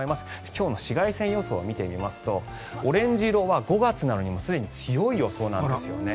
今日の紫外線予想を見てみますとオレンジ色は５月なのにすでに強い予想なんですよね。